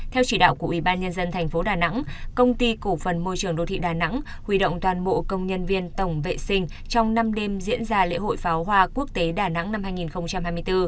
theo chỉ đạo của ủy ban nhân dân thành phố đà nẵng công ty cổ phần môi trường đô thị đà nẵng huy động toàn bộ công nhân viên tổng vệ sinh trong năm đêm diễn ra lễ hội pháo hoa quốc tế đà nẵng năm hai nghìn hai mươi bốn